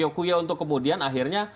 dikuyok kuyok untuk kemudian akhirnya